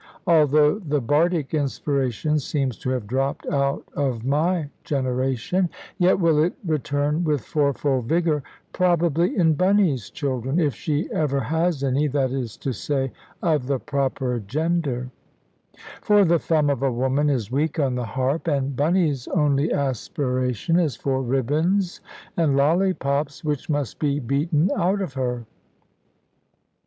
although the Bardic inspiration seems to have dropped out of my generation, yet will it return with fourfold vigour, probably in Bunny's children, if she ever has any, that is to say, of the proper gender; for the thumb of a woman is weak on the harp. And Bunny's only aspiration is for ribbons and lollipops, which must be beaten out of her.